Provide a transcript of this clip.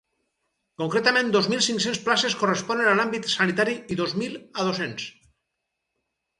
Concretament dos mil cinc-cents places corresponen a l’àmbit sanitari i dos mil a docents.